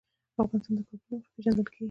افغانستان د کابل له مخې پېژندل کېږي.